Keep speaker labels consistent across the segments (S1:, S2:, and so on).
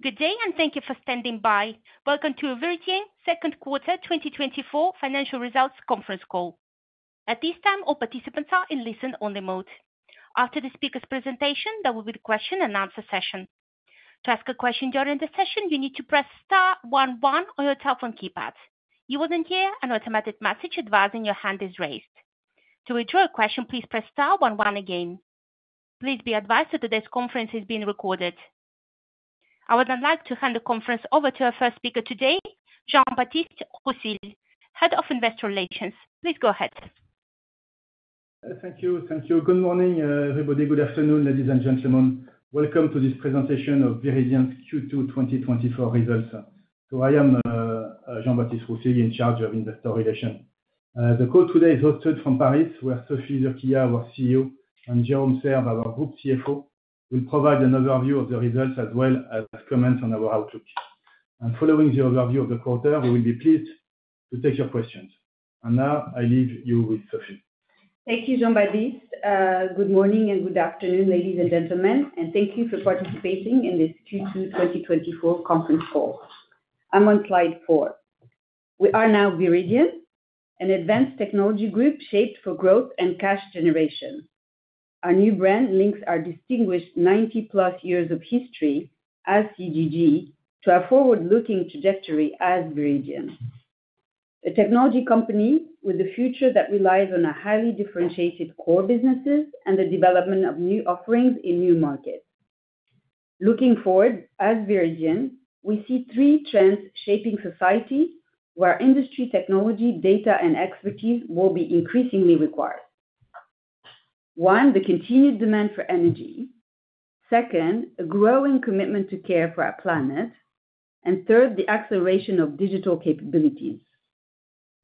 S1: Good day, and thank you for standing by. Welcome to the Viridien second quarter 2024 financial results conference call. At this time, all participants are in listen-only mode. After the speaker's presentation, there will be a question-and-answer session. To ask a question during the session, you need to press star one one on your telephone keypad. You will then hear an automatic message advising your hand is raised. To withdraw a question, please press star one one again. Please be advised that today's conference is being recorded. I would now like to hand the conference over to our first speaker today, Jean-Baptiste Roussille, Head of Investor Relations. Please go ahead.
S2: Thank you. Thank you. Good morning, everybody. Good afternoon, ladies and gentlemen. Welcome to this presentation of Viridien's Q2 2024 results. So I am Jean-Baptiste Roussille, in charge of Investor Relations. The call today is hosted from Paris, where Sophie Zurquiyah, our CEO, and Jérôme Serve, our Group CFO, will provide an overview of the results as well as comments on our outlook. Following the overview of the quarter, we will be pleased to take your questions. Now, I leave you with Sophie.
S3: Thank you, Jean-Baptiste. Good morning and good afternoon, ladies and gentlemen. Thank you for participating in this Q2 2024 conference call. I'm on slide four. We are now Viridien, an advanced technology group shaped for growth and cash generation. Our new brand links our distinguished 90-plus years of history as CGG to our forward-looking trajectory as Viridien, a technology company with a future that relies on our highly differentiated core businesses and the development of new offerings in new markets. Looking forward, as Viridien, we see three trends shaping society where industry technology, data, and expertise will be increasingly required. One, the continued demand for energy. Second, a growing commitment to care for our planet. And third, the acceleration of digital capabilities.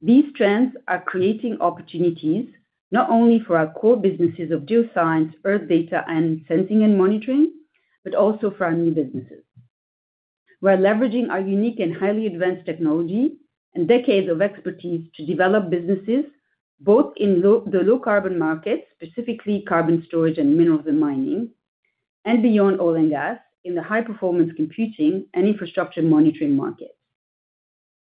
S3: These trends are creating opportunities not only for our core businesses of geoscience, Earth data, and sensing and monitoring, but also for our new businesses. We're leveraging our unique and highly advanced technology and decades of expertise to develop businesses both in the low-carbon markets, specifically carbon storage and minerals and mining, and beyond oil and gas in the high-performance computing and infrastructure monitoring markets.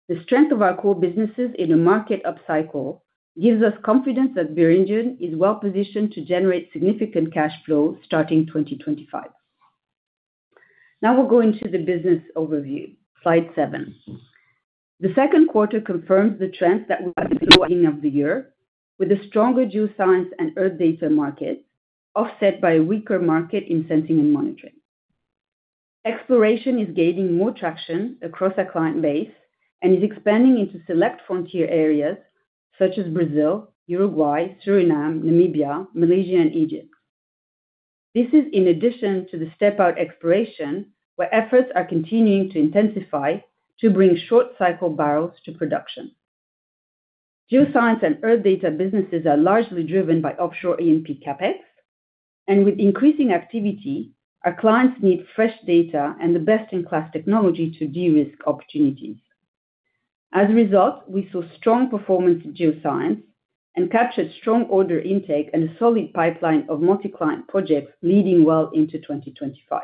S3: The strength of our core businesses in a market up cycle gives us confidence that Viridien is well-positioned to generate significant cash flow starting 2025. Now we'll go into the business overview, slide seven. The second quarter confirms the trends that we have at the beginning of the year with a stronger Geoscience and Earth Data market offset by a weaker market in Sensing and Monitoring. Exploration is gaining more traction across our client base and is expanding into select frontier areas such as Brazil, Uruguay, Suriname, Namibia, Malaysia, and Egypt. This is in addition to the step-out exploration where efforts are continuing to intensify to bring short-cycle barrels to production. Geoscience and Earth Data businesses are largely driven by offshore E&P CapEx. With increasing activity, our clients need fresh data and the best-in-class technology to de-risk opportunities. As a result, we saw strong performance in Geoscience and captured strong order intake and a solid pipeline of multi-client projects leading well into 2025.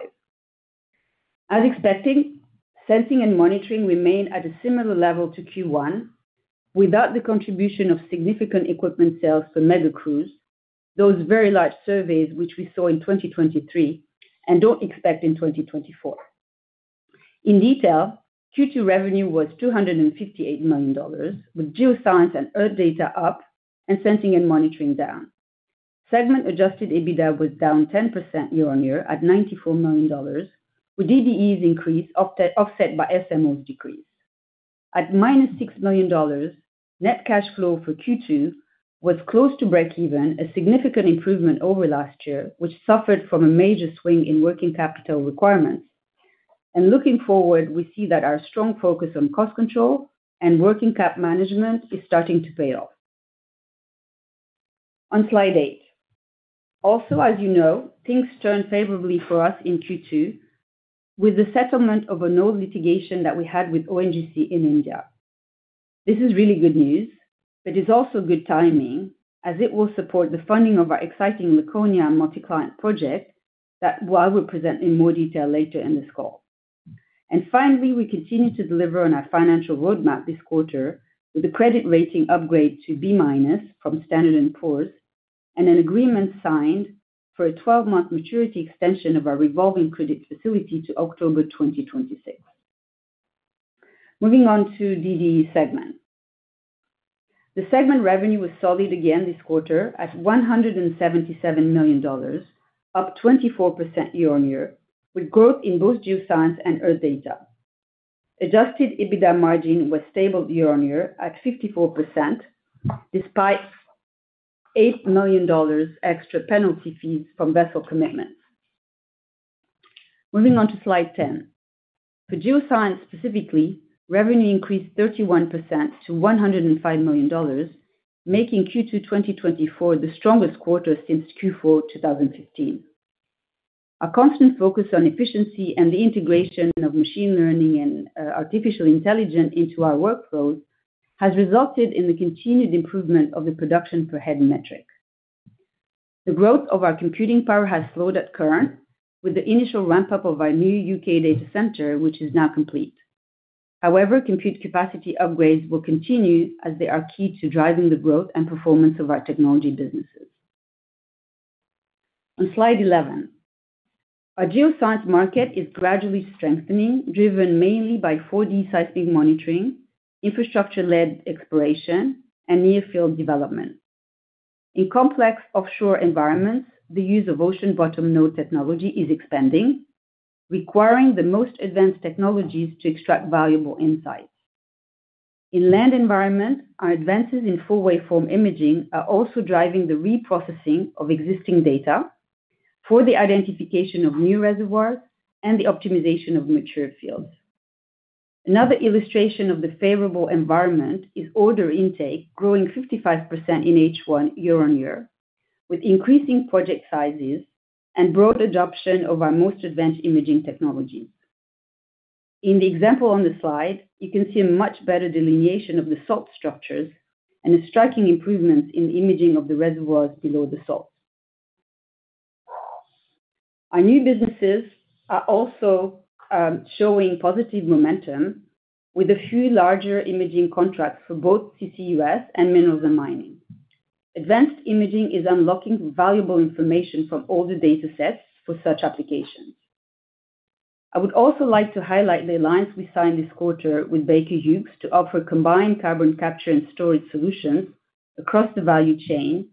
S3: As expected, Sensing and Monitoring remain at a similar level to Q1 without the contribution of significant equipment sales for mega crews, those very large surveys which we saw in 2023 and don't expect in 2024. In detail, Q2 revenue was $258 million, with Geoscience and Earth Data up and Sensing and Monitoring down. Segment-adjusted EBITDA was down 10% year-on-year at $94 million, with DDE's increased offset by SMO's decrease. At $6 million, net cash flow for Q2 was close to break-even, a significant improvement over last year, which suffered from a major swing in working capital requirements. Looking forward, we see that our strong focus on cost control and working cap management is starting to pay off. On slide eight. Also, as you know, things turned favorably for us in Q2 with the settlement of a node litigation that we had with ONGC in India. This is really good news, but it's also good timing as it will support the funding of our exciting Laconia multi-client project that I will present in more detail later in this call. Finally, we continue to deliver on our financial roadmap this quarter with a credit rating upgrade to B- from S&P Global Ratings and an agreement signed for a 12-month maturity extension of our revolving credit facility to October 2026. Moving on to DDE segment. The segment revenue was solid again this quarter at $177 million, up 24% year-on-year, with growth in both Geoscience and Earth Data. Adjusted EBITDA margin was stable year-on-year at 54% despite $8 million extra penalty fees from vessel commitments. Moving on to slide 10. For Geoscience specifically, revenue increased 31% to $105 million, making Q2 2024 the strongest quarter since Q4 2015. Our constant focus on efficiency and the integration of machine learning and artificial intelligence into our workflows has resulted in the continued improvement of the production per head metric. The growth of our computing power has slowed at current with the initial ramp-up of our new UK data center, which is now complete. However, compute capacity upgrades will continue as they are key to driving the growth and performance of our technology businesses. On slide 11, our geoscience market is gradually strengthening, driven mainly by 4D seismic monitoring, infrastructure-led exploration, and near-field development. In complex offshore environments, the use of ocean-bottom node technology is expanding, requiring the most advanced technologies to extract valuable insights. In land environments, our advances in full-waveform imaging are also driving the reprocessing of existing data for the identification of new reservoirs and the optimization of mature fields. Another illustration of the favorable environment is order intake growing 55% in H1 year-on-year with increasing project sizes and broad adoption of our most advanced imaging technologies. In the example on the slide, you can see a much better delineation of the salt structures and a striking improvement in the imaging of the reservoirs below the salt. Our new businesses are also showing positive momentum with a few larger imaging contracts for both CCUS and minerals and mining. Advanced imaging is unlocking valuable information from older data sets for such applications. I would also like to highlight the alliance we signed this quarter with Baker Hughes to offer combined carbon capture and storage solutions across the value chain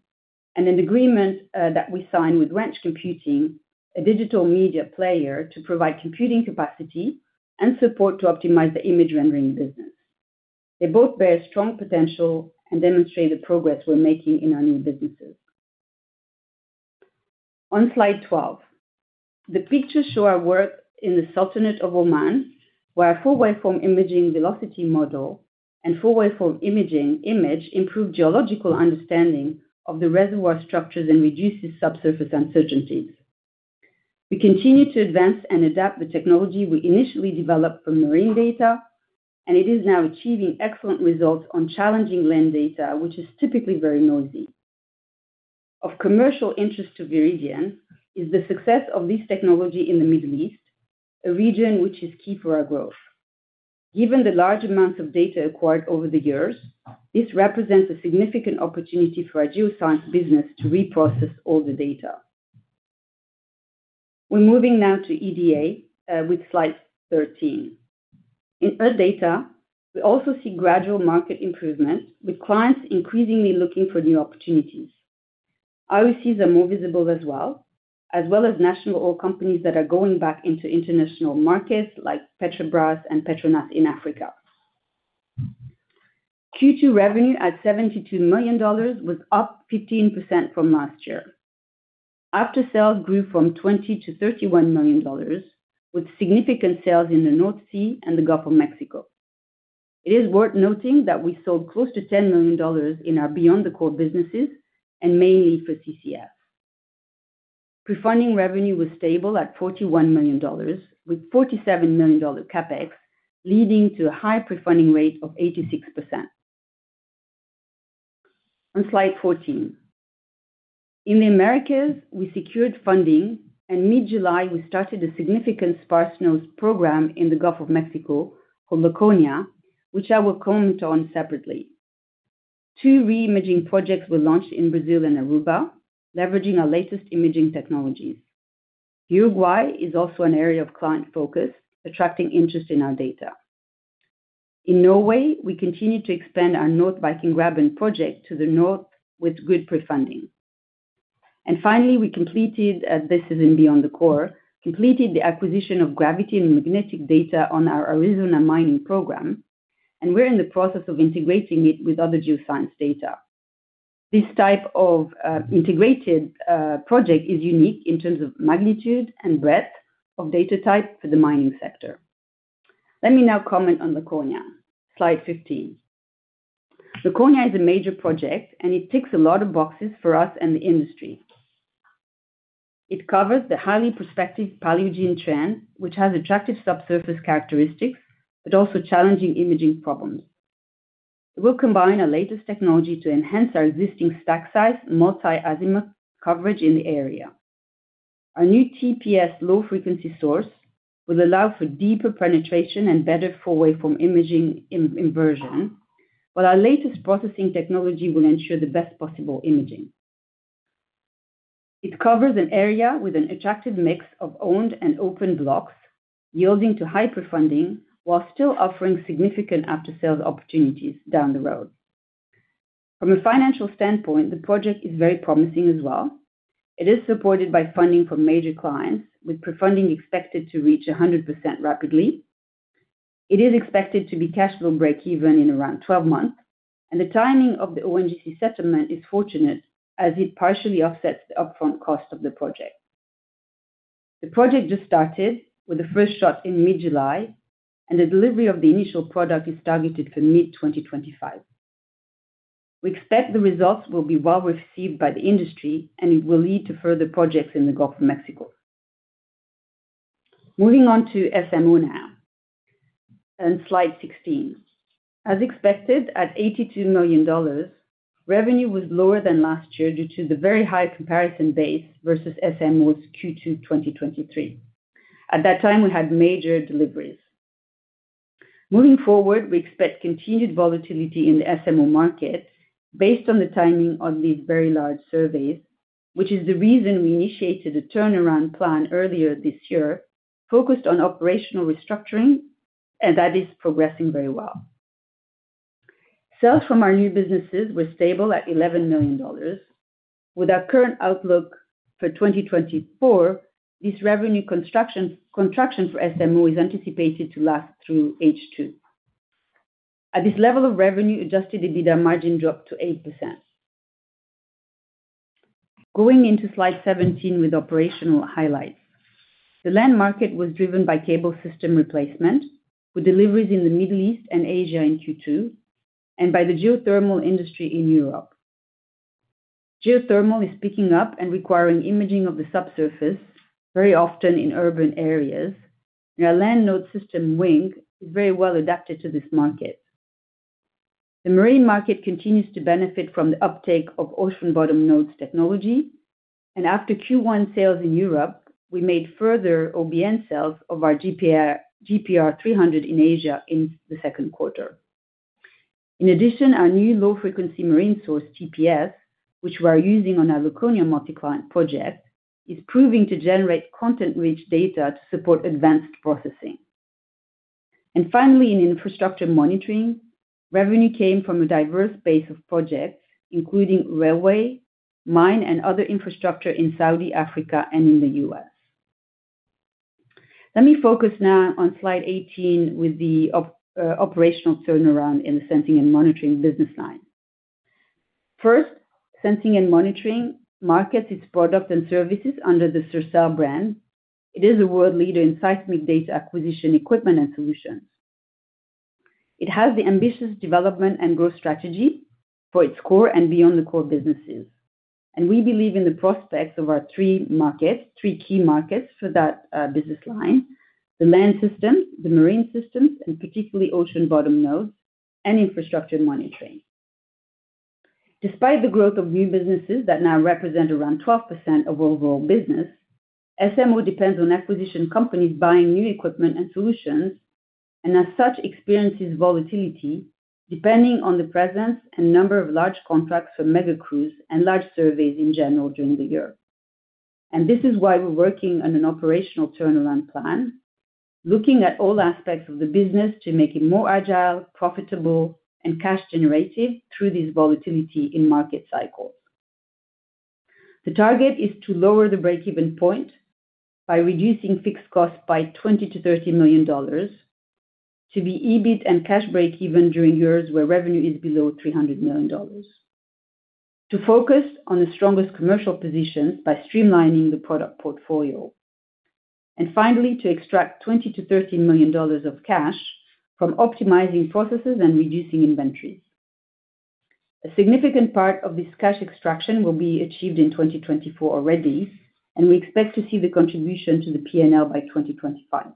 S3: and an agreement that we signed with Ranch Computing, a digital media player, to provide computing capacity and support to optimize the image rendering business. They both bear strong potential and demonstrate the progress we're making in our new businesses. On slide 12, the pictures show our work in the Sultanate of Oman, where our full-waveform imaging velocity model and full-waveform imaging image improved geological understanding of the reservoir structures and reduces subsurface uncertainties. We continue to advance and adapt the technology we initially developed from marine data, and it is now achieving excellent results on challenging land data, which is typically very noisy. Of commercial interest to Viridien is the success of this technology in the Middle East, a region which is key for our growth. Given the large amounts of data acquired over the years, this represents a significant opportunity for our Geoscience business to reprocess all the data. We're moving now to EDA with slide 13. In Earth Data, we also see gradual market improvement with clients increasingly looking for new opportunities. IOCs are more visible as well, as well as national oil companies that are going back into international markets like Petrobras and Petronas in Africa. Q2 revenue at $72 million was up 15% from last year. After-sales grew from $20 million-$31 million with significant sales in the North Sea and the Gulf of Mexico. It is worth noting that we sold close to $10 million in our beyond-the-core businesses and mainly for CCS. Pre-funding revenue was stable at $41 million with $47 million CapEx, leading to a high pre-funding rate of 86%. On slide 14, in the Americas, we secured funding, and mid-July, we started a significant sparse node program in the Gulf of Mexico for Laconia, which I will comment on separately. Two reimaging projects were launched in Brazil and Aruba, leveraging our latest imaging technologies. Uruguay is also an area of client focus, attracting interest in our data. In Norway, we continue to expand our North Viking Graben project to the north with good pre-funding. And finally, we completed, this is in beyond the core, completed the acquisition of gravity and magnetic data on our Arizona mining program, and we're in the process of integrating it with other geoscience data. This type of integrated project is unique in terms of magnitude and breadth of data type for the mining sector. Let me now comment on Laconia, slide 15. Laconia is a major project, and it ticks a lot of boxes for us and the industry. It covers the highly prospective Paleogene trend, which has attractive subsurface characteristics but also challenging imaging problems. We'll combine our latest technology to enhance our existing stack size multi-azimuth coverage in the area. Our new TPS low-frequency source will allow for deeper penetration and better full-waveform imaging inversion, while our latest processing technology will ensure the best possible imaging. It covers an area with an attractive mix of owned and open blocks yielding to high pre-funding while still offering significant after-sales opportunities down the road. From a financial standpoint, the project is very promising as well. It is supported by funding from major clients, with pre-funding expected to reach 100% rapidly. It is expected to be cash flow break-even in around 12 months, and the timing of the ONGC settlement is fortunate as it partially offsets the upfront cost of the project. The project just started with the first shot in mid-July, and the delivery of the initial product is targeted for mid-2025. We expect the results will be well-received by the industry, and it will lead to further projects in the Gulf of Mexico. Moving on to SMO now, on slide 16. As expected, at $82 million, revenue was lower than last year due to the very high comparison base versus SMO's Q2 2023. At that time, we had major deliveries. Moving forward, we expect continued volatility in the SMO market based on the timing of these very large surveys, which is the reason we initiated a turnaround plan earlier this year focused on operational restructuring, and that is progressing very well. Sales from our new businesses were stable at $11 million. With our current outlook for 2024, this revenue contraction for SMO is anticipated to last through H2. At this level of revenue, Adjusted EBITDA margin dropped to 8%. Going into Slide 17 with operational highlights, the land market was driven by cable system replacement with deliveries in the Middle East and Asia in Q2 and by the geothermal industry in Europe. Geothermal is picking up and requiring imaging of the subsurface very often in urban areas, and our land node system WiNG is very well adapted to this market. The marine market continues to benefit from the uptake of ocean-bottom nodes technology, and after Q1 sales in Europe, we made further OBN sales of our GPR300 in Asia in the second quarter. In addition, our new low-frequency marine source TPS, which we are using on our Laconia multi-client project, is proving to generate content-rich data to support advanced processing. Finally, in infrastructure monitoring, revenue came from a diverse base of projects, including railway, mine, and other infrastructure in Saudi Arabia and Africa and in the U.S. Let me focus now on slide 18 with the operational turnaround in the sensing and monitoring business line. First, sensing and monitoring markets its products and services under the Sercel brand. It is a world leader in seismic data acquisition, equipment, and solutions. It has the ambitious development and growth strategy for its core and beyond-the-core businesses, and we believe in the prospects of our three markets, three key markets for that business line: the land systems, the marine systems, and particularly ocean-bottom nodes and infrastructure monitoring. Despite the growth of new businesses that now represent around 12% of overall business, SMO depends on acquisition companies buying new equipment and solutions and, as such, experiences volatility depending on the presence and number of large contracts for mega crews and large surveys in general during the year. And this is why we're working on an operational turnaround plan, looking at all aspects of the business to make it more agile, profitable, and cash-generative through this volatility in market cycles. The target is to lower the break-even point by reducing fixed costs by $20 million-$30 million to be EBIT and cash break-even during years where revenue is below $300 million, to focus on the strongest commercial positions by streamlining the product portfolio, and finally, to extract $20 million-$30 million of cash from optimizing processes and reducing inventories. A significant part of this cash extraction will be achieved in 2024 already, and we expect to see the contribution to the P&L by 2025.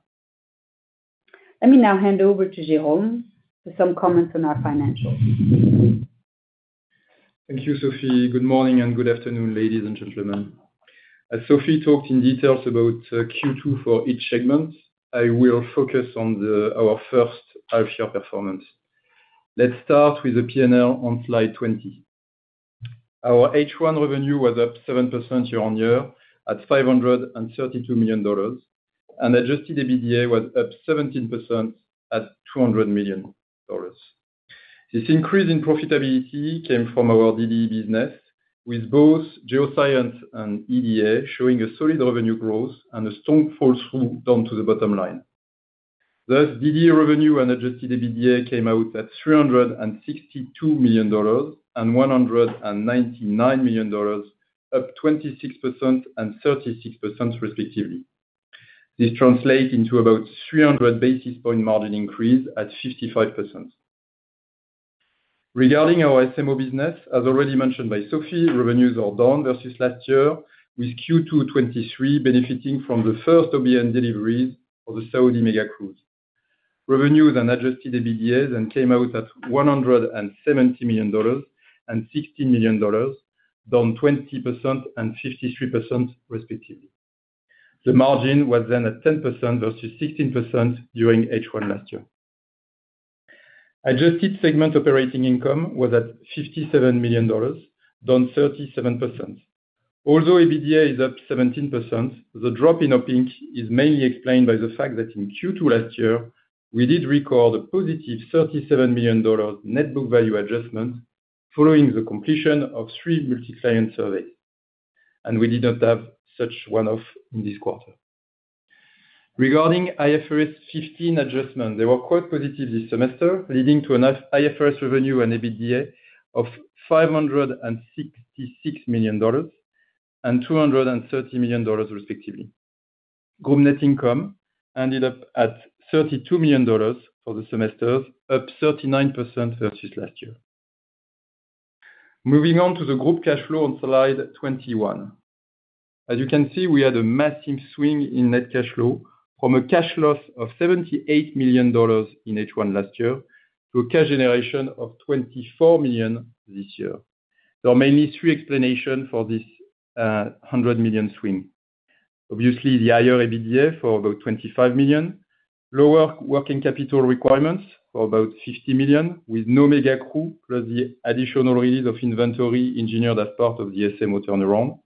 S3: Let me now hand over to Jérôme for some comments on our financials.
S4: Thank you, Sophie. Good morning and good afternoon, ladies and gentlemen. As Sophie talked in detail about Q2 for each segment, I will focus on our first half-year performance. Let's start with the P&L on slide 20. Our H1 revenue was up 7% year-on-year at $532 million, and adjusted EBITDA was up 17% at $200 million. This increase in profitability came from our DDE business, with both Geoscience and EDA showing a solid revenue growth and a strong flow-through down to the bottom line. Thus, DDE revenue and adjusted EBITDA came out at $362 million and $199 million, up 26% and 36% respectively. This translates into about 300 basis point margin increase at 55%. Regarding our SMO business, as already mentioned by Sophie, revenues are down versus last year, with Q2 2023 benefiting from the first OBN deliveries for the Saudi mega crews. Revenues and adjusted EBITDA came out at $170 million and $16 million, down 20% and 53% respectively. The margin was then at 10% versus 16% during H1 last year. Adjusted segment operating income was at $57 million, down 37%. Although EBITDA is up 17%, the drop in OpInc is mainly explained by the fact that in Q2 last year, we did record a positive $37 million net book value adjustment following the completion of three multi-client surveys, and we did not have such one-off in this quarter. Regarding IFRS 15 adjustment, they were quite positive this semester, leading to an IFRS revenue and EBITDA of $566 million and $230 million respectively. Group net income ended up at $32 million for the semesters, up 39% versus last year. Moving on to the group cash flow on slide 21. As you can see, we had a massive swing in net cash flow from a cash loss of $78 million in H1 last year to a cash generation of $24 million this year. There are mainly three explanations for this $100 million swing. Obviously, the higher EBITDA for about $25 million, lower working capital requirements for about $50 million with no mega crew, plus the additional release of inventory engineered as part of the SMO turnaround.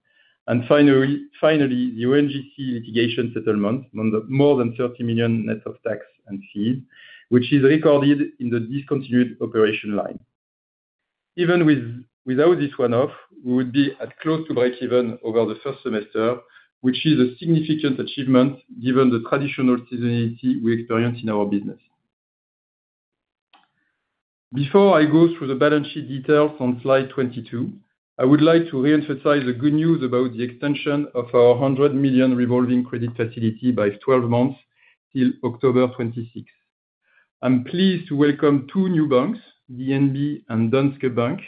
S4: And finally, the ONGC litigation settlement, more than $30 million net of tax and fees, which is recorded in the discontinued operation line. Even without this one-off, we would be close to break-even over the first semester, which is a significant achievement given the traditional seasonality we experience in our business. Before I go through the balance sheet details on slide 22, I would like to re-emphasize the good news about the extension of our $100 million revolving credit facility by 12 months till October 26. I'm pleased to welcome two new banks, DNB and Danske Bank,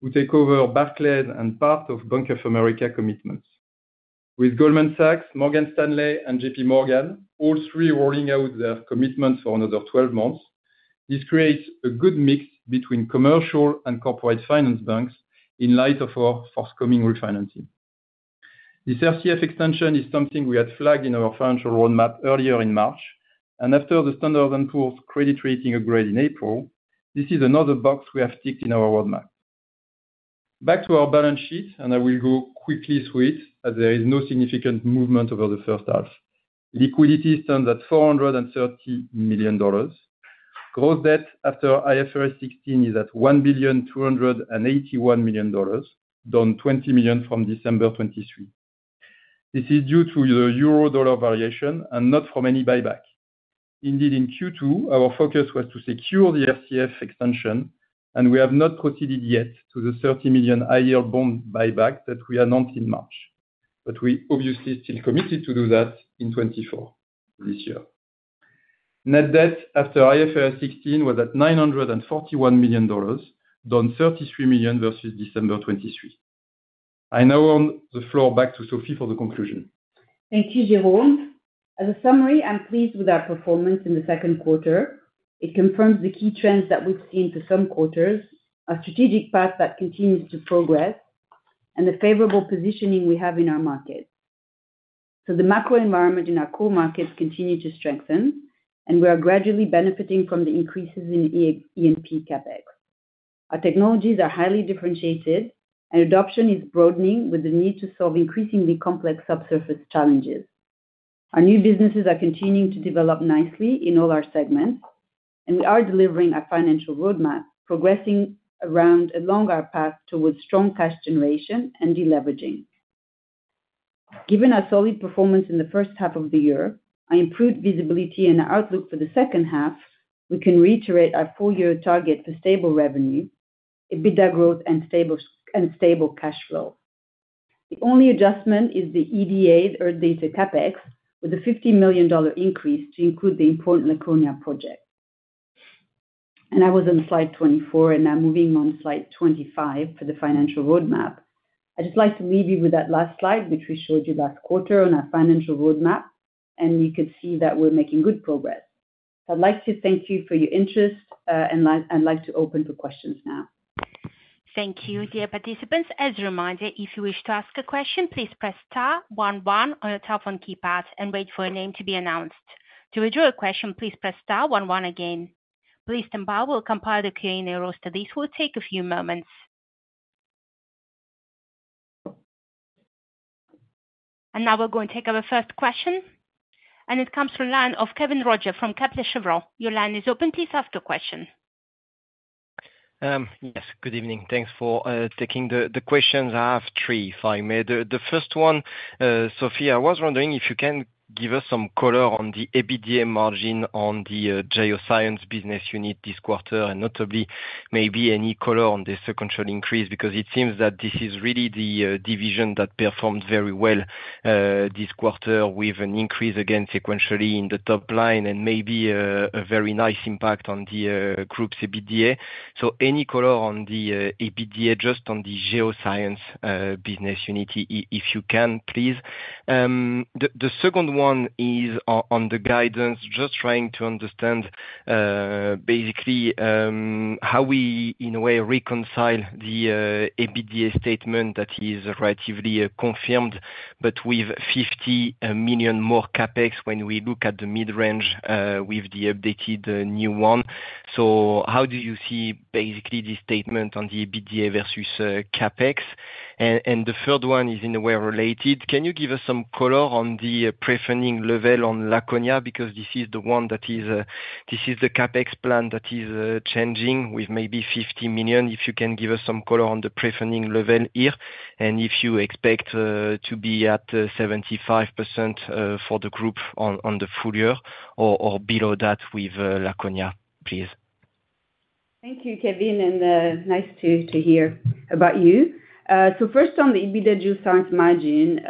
S4: who take over Barclays and part of Bank of America commitments. With Goldman Sachs, Morgan Stanley, and J.P. Morgan, all three rolling out their commitments for another 12 months, this creates a good mix between commercial and corporate finance banks in light of our forthcoming refinancing. This RCF extension is something we had flagged in our financial roadmap earlier in March, and after the S&P Global Ratings credit rating upgrade in April, this is another box we have ticked in our roadmap. Back to our balance sheet, and I will go quickly through it as there is no significant movement over the first half. Liquidity stands at $430 million. Gross debt after IFRS 16 is at $1,281 million, down $20 million from December 2023. This is due to the euro/dollar variation and not from any buyback. Indeed, in Q2, our focus was to secure the RCF extension, and we have not proceeded yet to the $30 million high-yield bond buyback that we announced in March, but we obviously still committed to do that in 2024 this year. Net debt after IFRS 16 was at $941 million, down $33 million versus December 2023. I now hand the floor back to Sophie for the conclusion.
S3: Thank you, Jérôme. As a summary, I'm pleased with our performance in the second quarter. It confirms the key trends that we've seen for some quarters, a strategic path that continues to progress, and the favorable positioning we have in our markets. So the macro environment in our core markets continues to strengthen, and we are gradually benefiting from the increases in E&P CapEx. Our technologies are highly differentiated, and adoption is broadening with the need to solve increasingly complex subsurface challenges. Our new businesses are continuing to develop nicely in all our segments, and we are delivering a financial roadmap, progressing along our path towards strong cash generation and deleveraging. Given our solid performance in the first half of the year, our improved visibility and our outlook for the second half, we can reiterate our four-year target for stable revenue, EBITDA growth, and stable cash flow. The only adjustment is the EDA Earth Data CapEx with a $50 million increase to include the important Laconia project. I was on slide 24, and now moving on slide 25 for the financial roadmap. I'd just like to leave you with that last slide, which we showed you last quarter on our financial roadmap, and you could see that we're making good progress. I'd like to thank you for your interest, and I'd like to open for questions now.
S1: Thank you, dear participants. As a reminder, if you wish to ask a question, please press star one one on your telephone keypad and wait for a name to be announced. To withdraw a question, please press star one one again. Please stand by. We'll compile the Q&A now, so this will take a few moments. And now we're going to take our first question, and it comes from the line of Kevin Roger from Kepler Cheuvreux. Your line is open. Please ask your question.
S5: Yes, good evening. Thanks for taking the questions. I have three, if I may. The first one, Sophie, I was wondering if you can give us some color on the EBITDA margin on the Geoscience business unit this quarter, and notably, maybe any color on the sequential increase, because it seems that this is really the division that performed very well this quarter, with an increase again sequentially in the top line and maybe a very nice impact on the group's EBITDA. So any color on the EBITDA, just on the Geoscience business unit, if you can, please. The second one is on the guidance, just trying to understand basically how we, in a way, reconcile the EBITDA statement that is relatively confirmed, but with $50 million more CapEx when we look at the mid-range with the updated new one. So how do you see basically this statement on the EBITDA versus CapEx? And the third one is, in a way, related. Can you give us some color on the prefunding level on Laconia? Because this is the one that is the CapEx plan that is changing with maybe $50 million. If you can give us some color on the prefunding level here, and if you expect to be at 75% for the group on the full year or below that with Laconia, please.
S3: Thank you, Kévin, and nice to hear about you. So first, on the EBITDA Geoscience margin,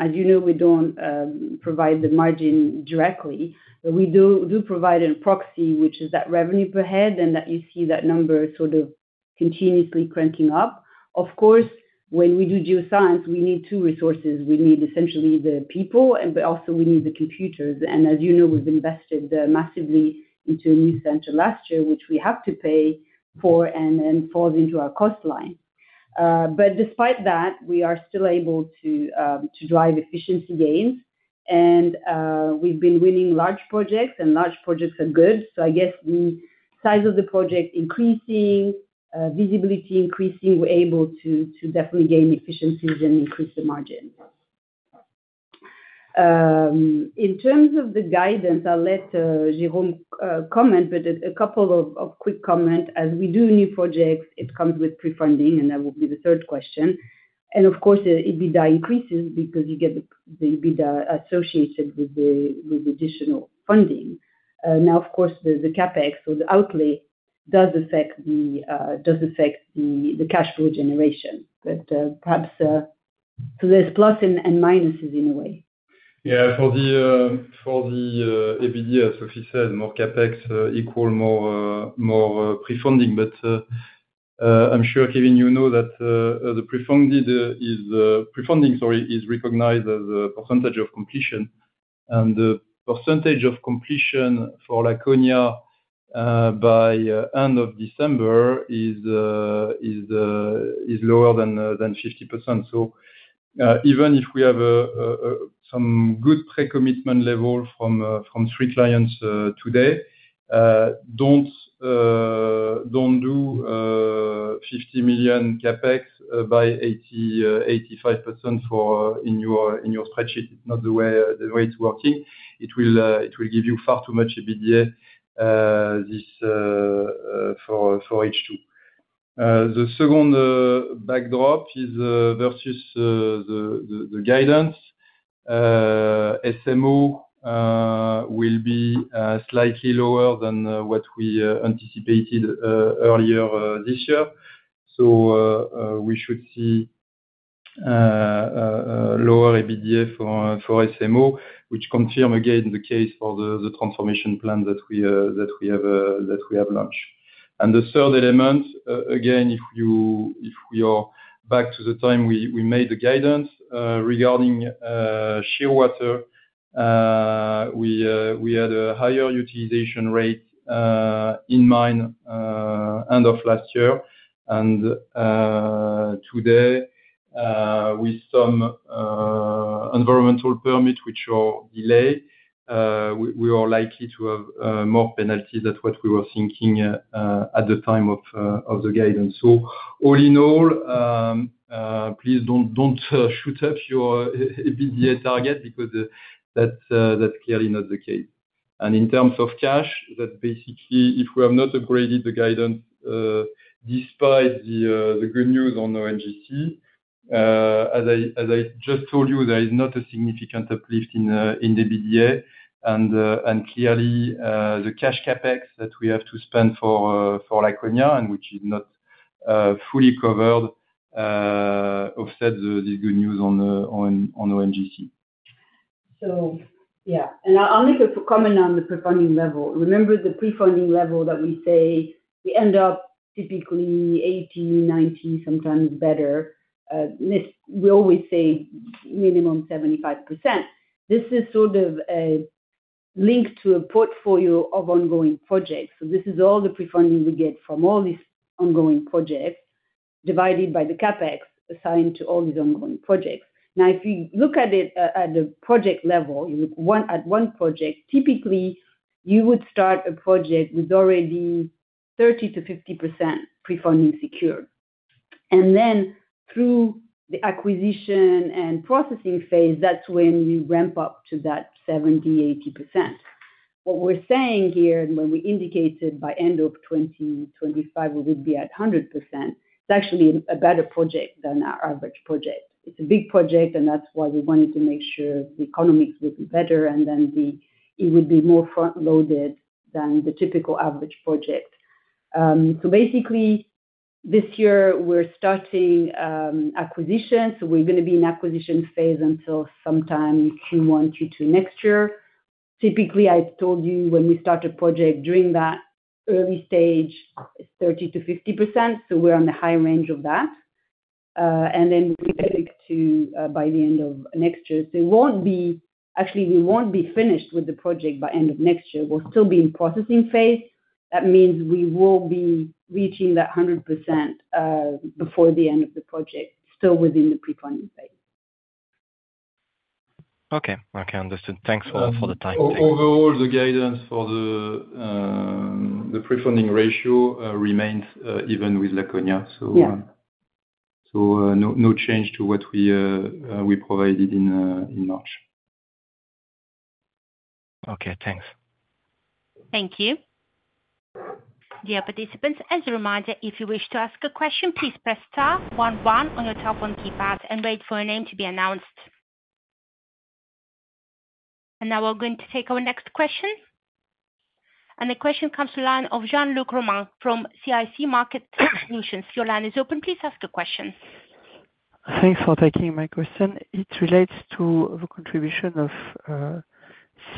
S3: as you know, we don't provide the margin directly. We do provide a proxy, which is that revenue per head, and that you see that number sort of continuously cranking up. Of course, when we do Geoscience, we need two resources. We need essentially the people, but also we need the computers. As you know, we've invested massively into a new center last year, which we have to pay for and then falls into our cost line. But despite that, we are still able to drive efficiency gains, and we've been winning large projects, and large projects are good. So I guess the size of the project increasing, visibility increasing, we're able to definitely gain efficiencies and increase the margin. In terms of the guidance, I'll let Jérôme comment, but a couple of quick comments. As we do new projects, it comes with pre-funding, and that will be the third question. And of course, EBITDA increases because you get the EBITDA associated with the additional funding. Now, of course, the CapEx or the outlay does affect the cash flow generation, but perhaps so there's pluses and minuses in a way.
S4: Yeah, for the EBITDA, as Sophie said, more CapEx equals more pre-funding. But I'm sure, Kevin, you know that the pre-funding is recognized as a percentage of completion. And the percentage of completion for Laconia by the end of December is lower than 50%. So even if we have some good pre-commitment level from three clients today, don't do $50 million CapEx by 85% in your spreadsheet. It's not the way it's working. It will give you far too much EBITDA for Q2. The second backdrop is versus the guidance. SMO will be slightly lower than what we anticipated earlier this year. So we should see lower EBITDA for SMO, which confirms again the case for the transformation plan that we have launched. And the third element, again, if we are back to the time we made the guidance regarding Shearwater, we had a higher utilization rate in mind end of last year. And today, with some environmental permits, which are delayed, we are likely to have more penalties than what we were thinking at the time of the guidance. So all in all, please don't shoot up your EBITDA target because that's clearly not the case. And in terms of cash, that's basically if we have not upgraded the guidance despite the good news on ONGC, as I just told you, there is not a significant uplift in EBITDA. And clearly, the cash CapEx that we have to spend for Laconia, which is not fully covered, offsets this good news on ONGC.
S3: So yeah, and I'll make a comment on the pre-funding level. Remember the pre-funding level that we say we end up typically 80%-90%, sometimes better. We always say minimum 75%. This is sort of linked to a portfolio of ongoing projects. So this is all the pre-funding we get from all these ongoing projects divided by the CapEx assigned to all these ongoing projects. Now, if you look at it at the project level, you look at one project, typically, you would start a project with already 30%-50% pre-funding secured. And then through the acquisition and processing phase, that's when you ramp up to that 70%-80%. What we're saying here, and what we indicated by end of 2025, we would be at 100%, it's actually a better project than our average project. It's a big project, and that's why we wanted to make sure the economics would be better and then it would be more front-loaded than the typical average project. So basically, this year, we're starting acquisition. So we're going to be in acquisition phase until sometime Q1, Q2 next year. Typically, I told you when we start a project during that early stage, it's 30%-50%. So we're on the high range of that. And then we'll get it by the end of next year. So actually, we won't be finished with the project by end of next year. We'll still be in processing phase. That means we will be reaching that 100% before the end of the project, still within the pre-funding phase.
S5: Okay. Okay, understood. Thanks for the time.
S4: Overall, the guidance for the pre-funding ratio remains even with Laconia. So no change to what we provided in March.
S5: Okay, thanks.
S1: Thank you. Dear participants, as a reminder, if you wish to ask a question, please press star one one on your telephone keypad and wait for a name to be announced. Now we're going to take our next question. The question comes from the line of Jean-Luc Romain from CIC Market Solutions. Your line is open. Please ask a question.
S6: Thanks for taking my question. It relates to the contribution of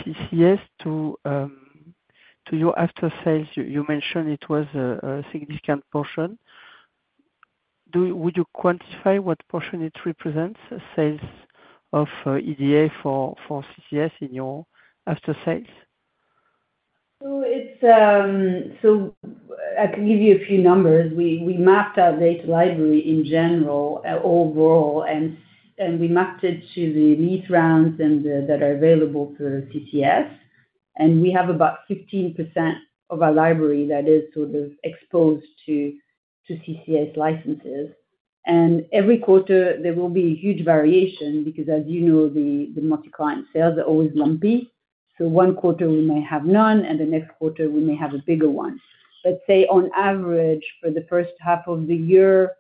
S6: CCS to your after-sales. You mentioned it was a significant portion. Would you quantify what portion it represents, sales of EDA for CCS in your after-sales?
S3: So I can give you a few numbers. We mapped our data library in general, overall, and we mapped it to the lease rounds that are available for CCS. And we have about 15% of our library that is sort of exposed to CCS licenses. And every quarter, there will be a huge variation because, as you know, the multi-client sales are always lumpy. So one quarter, we may have none, and the next quarter, we may have a bigger one. Let's say, on average, for the first half of the year,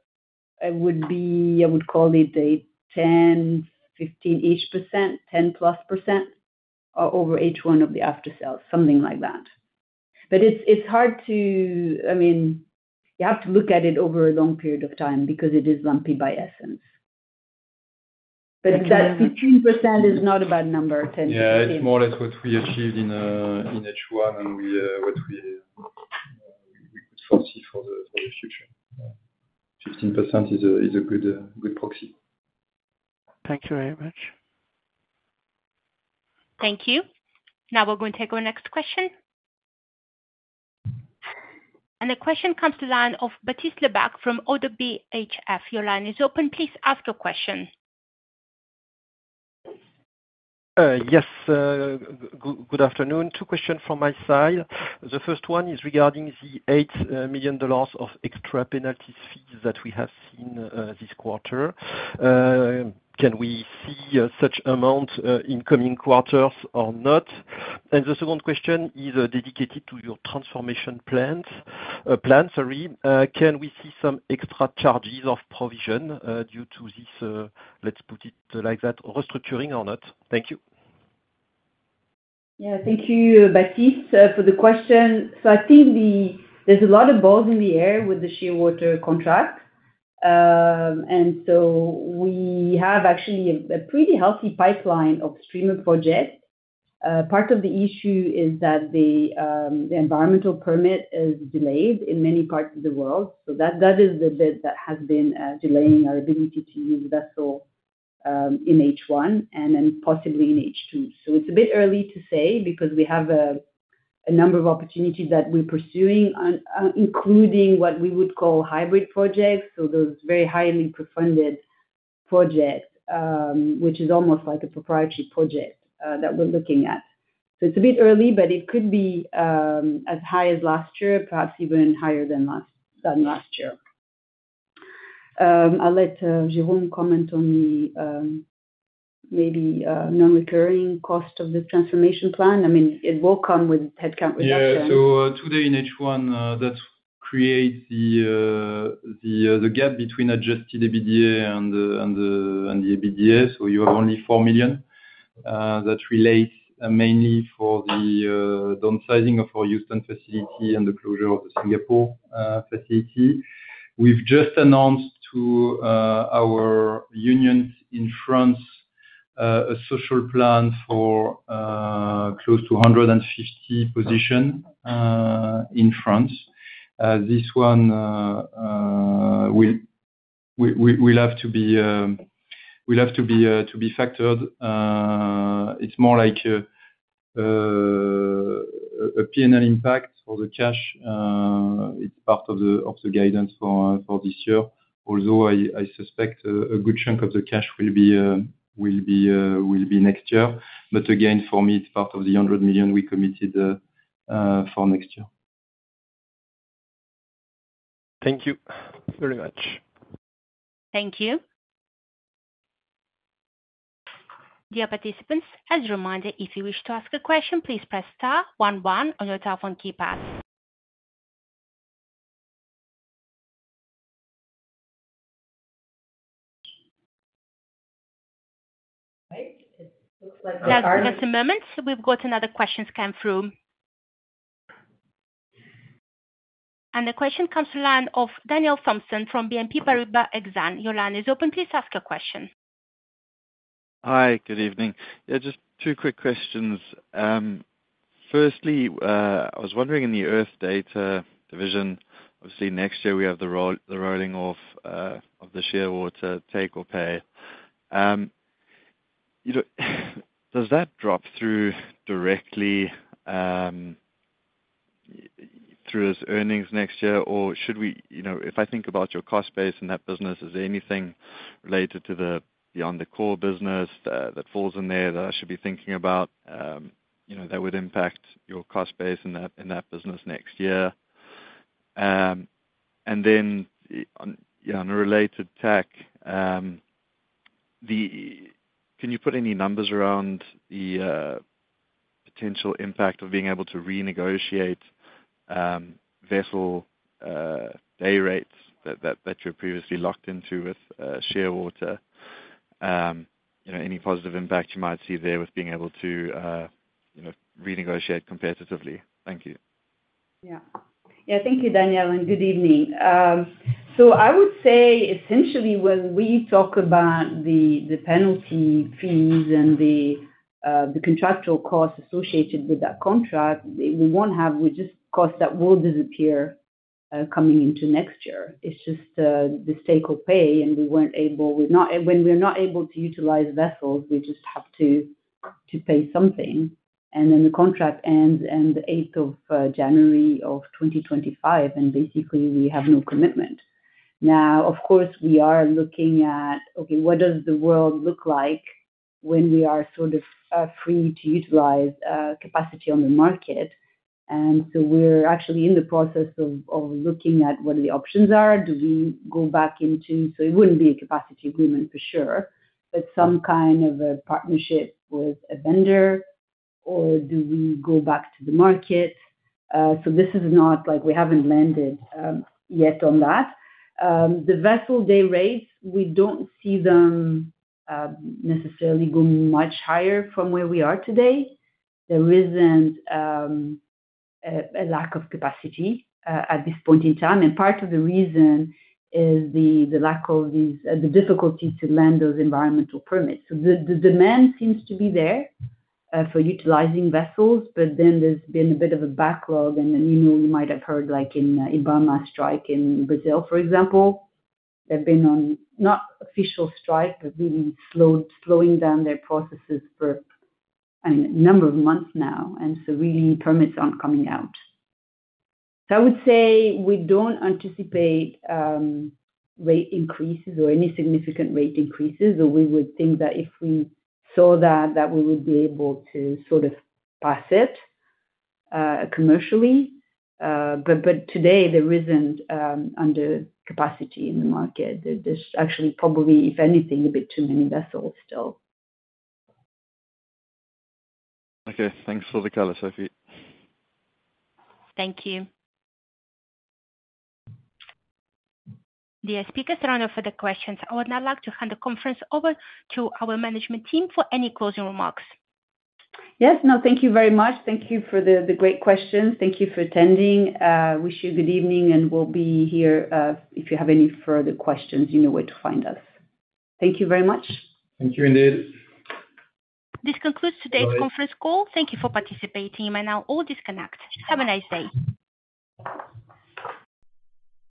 S3: it would be I would call it a 10%-15%-ish%, 10%+% over each one of the after-sales, something like that. But it's hard to I mean, you have to look at it over a long period of time because it is lumpy by essence. But that 15% is not a bad number, 10%+%.
S4: Yeah, it's more like what we achieved in H1 and what we could foresee for the future. 15% is a good proxy.
S6: Thank you very much.
S1: Thank you. Now we're going to take our next question. The question comes to the line of Baptiste Lebacq from ODDO BHF. Your line is open. Please ask a question.
S7: Yes. Good afternoon. Two questions from my side. The first one is regarding the $8 million of extra penalties fees that we have seen this quarter. Can we see such amount in coming quarters or not? The second question is dedicated to your transformation plan. Can we see some extra charges of provision due to this, let's put it like that, restructuring or not? Thank you.
S3: Yeah, thank you, Baptiste, for the question. I think there's a lot of balls in the air with the Shearwater contract. We have actually a pretty healthy pipeline of streamer projects. Part of the issue is that the environmental permit is delayed in many parts of the world. So that is the bit that has been delaying our ability to use vessel in H1 and then possibly in H2. So it's a bit early to say because we have a number of opportunities that we're pursuing, including what we would call hybrid projects. So those very highly pre-funded projects, which is almost like a proprietary project that we're looking at. So it's a bit early, but it could be as high as last year, perhaps even higher than last year. I'll let Jérôme Serve comment on the maybe non-recurring cost of the transformation plan. I mean, it will come with headcount reduction.
S4: Yeah. So today in H1, that creates the gap between adjusted EBITDA and the EBITDA. So you have only $4 million that relates mainly for the downsizing of our Houston facility and the closure of the Singapore facility. We've just announced to our unions in France a social plan for close to 150 positions in France. This one will have to be. We'll have to be factored. It's more like a P&L impact for the cash. It's part of the guidance for this year. Although I suspect a good chunk of the cash will be next year. But again, for me, it's part of the $100 million we committed for next year.
S7: Thank you very much.
S1: Thank you. Dear participants, as a reminder, if you wish to ask a question, please press star one one on your telephone keypad. It looks like our last. Just a moment. We've got another question come through. And the question comes to the line of Daniel Thomson from BNP Paribas Exane. Your line is open. Please ask a question.
S8: Hi. Good evening. Yeah, just two quick questions. Firstly, I was wondering in the Earth Data Division, obviously next year we have the rolling of the Shearwater take or pay. Does that drop through directly through our earnings next year, or should we, if I think about your cost base in that business, is there anything related to the beyond the core business that falls in there that I should be thinking about that would impact your cost base in that business next year? And then on a related note, can you put any numbers around the potential impact of being able to renegotiate vessel day rates that you're previously locked into with Shearwater? Any positive impact you might see there with being able to renegotiate competitively? Thank you.
S3: Yeah. Yeah. Thank you, Daniel, and good evening. So I would say essentially when we talk about the penalty fees and the contractual costs associated with that contract, we won't have just costs that will disappear coming into next year. It's just the take or pay, and when we're not able to utilize vessels, we just have to pay something. And then the contract ends on the 8th of January of 2025, and basically, we have no commitment. Now, of course, we are looking at, okay, what does the world look like when we are sort of free to utilize capacity on the market? And so we're actually in the process of looking at what the options are. Do we go back into so it wouldn't be a capacity agreement for sure, but some kind of a partnership with a vendor, or do we go back to the market? So this is not like we haven't landed yet on that. The vessel day rates, we don't see them necessarily go much higher from where we are today. There isn't a lack of capacity at this point in time. And part of the reason is the lack of the difficulty to land those environmental permits. So the demand seems to be there for utilizing vessels, but then there's been a bit of a backlog. And then you might have heard like in IBAMA strike in Brazil, for example. They've been on not an official strike, but really slowing down their processes for, I mean, a number of months now. And so really, permits aren't coming out. So I would say we don't anticipate rate increases or any significant rate increases. So we would think that if we saw that, that we would be able to sort of pass it commercially. But today, there isn't under capacity in the market. There's actually probably, if anything, a bit too many vessels still.
S8: Okay. Thanks for the color, Sophie.
S1: Thank you. Dear speakers, there are no further questions. I would now like to hand the conference over to our management team for any closing remarks.
S3: Yes. No, thank you very much. Thank you for the great questions. Thank you for attending. Wish you a good evening, and we'll be here if you have any further questions, you know where to find us. Thank you very much.
S4: Thank you indeed.
S1: This concludes today's conference call. Thank you for participating. You may now all disconnect. Have a nice day.